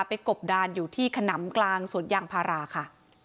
กบดานอยู่ที่ขนำกลางสวนยางพาราค่ะ